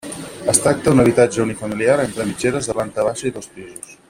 Es tracta d'un habitatge unifamiliar entre mitgeres de planta baixa i dos pisos.